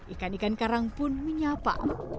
ikan ikan karang pun menyapa